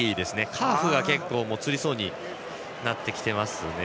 カーフがつりそうになっていますね。